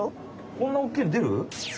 こんな大きいのでる？